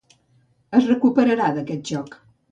Es recuperarà d'aquest xoc.